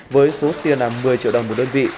với số tiền là một mươi triệu đồng một đơn vị